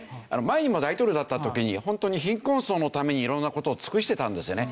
前にも大統領だった時にホントに貧困層のために色んな事を尽くしてたんですよね。